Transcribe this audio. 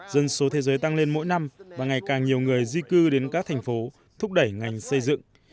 dân số thế giới tăng lên mỗi năm và ngày càng nhiều người di cư đến các thành phố thúc đẩy ngành xây dựng